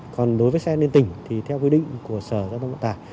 còn đối với xe liên tỉnh thì theo quy định của sở giao thông vận tải